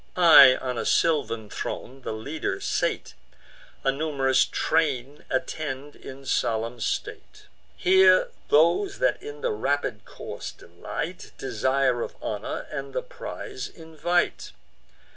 High on a sylvan throne the leader sate; A num'rous train attend in solemn state. Here those that in the rapid course delight, Desire of honour and the prize invite.